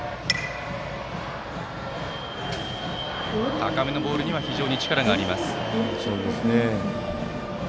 高めのボールには非常に力があります。